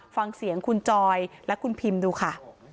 ฟังเสียงคุณจอยและคุณพิมดูค่ะ